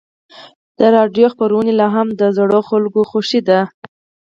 د راډیو خپرونې لا هم د زړو خلکو خوښې دي.